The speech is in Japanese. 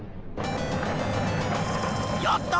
やった！